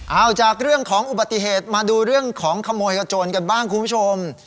เอาจากเรื่องของอุบัติเหตุมาดูเรื่องของขโมยกระโจนกันบ้างคุณผู้ชม